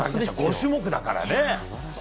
５種目だからね。